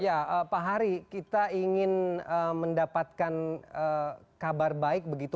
ya pak hari kita ingin mendapatkan kabar baik begitu